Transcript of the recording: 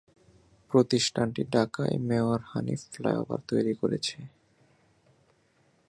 প্রতিষ্ঠানটি ঢাকায় mayor Hanif flyover তৈরি করেছে।